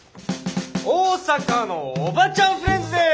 大阪のおばちゃんフレンズです。